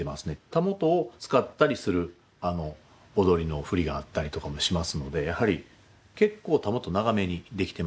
たもとを使ったりする踊りの振りがあったりとかもしますのでやはり結構たもと長めにできてますね。